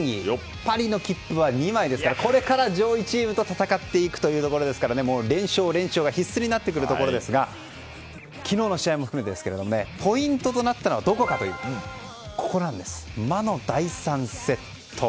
パリの切符は２枚ですからこれから上位チームと戦っていくということですから連勝、連勝が必須になってくるところですが昨日の試合も含めてですがポイントになったのはどこかというと魔の第３セット。